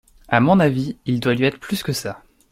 À mon avis, il doit lui être plus que ça…